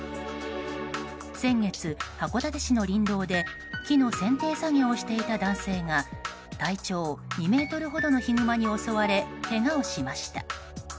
先月、函館市の林道で木の剪定作業をしていた男性が体長２ｍほどのヒグマに襲われけがをしました。